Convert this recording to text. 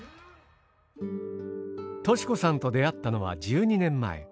老子さんと出会ったのは１２年前。